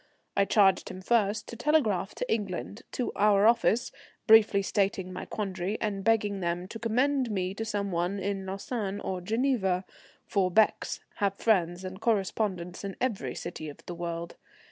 I charged him first to telegraph to England, to our office, briefly stating my quandary, begging them to commend me to some one in Lausanne or Geneva, for Becke's have friends and correspondents in every city of the world.